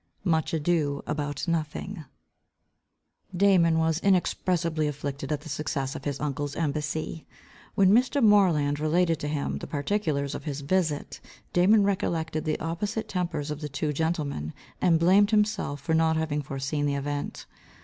Much ado about nothing. Damon was inexpressibly afflicted at the success of his uncle's embassy. When Mr. Moreland related to him the particulars of his visit, Damon recollected the opposite tempers of the two gentlemen, and blamed himself for not having foreseen the event.